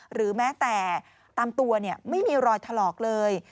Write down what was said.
หรือแม้แต่ตามตัวไม่มีรอยถลอกเลย